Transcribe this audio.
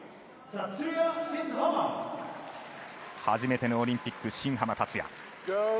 初めてのオリンピック新濱立也。